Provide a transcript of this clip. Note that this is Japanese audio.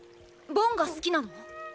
ボンが好きなの？